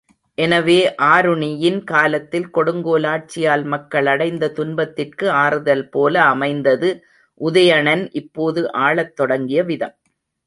எனவே ஆருணியின் காலத்தில் கொடுங்கோலாட்சியால் மக்களடைந்த துன்பத்திற்கு ஆறுதல்போல அமைந்தது, உதயணன் இப்போது ஆளத் தொடங்கிய விதம்.